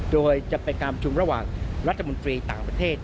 โดยจะเป็นการประชุมระหว่างรัฐมนตรีต่างประเทศ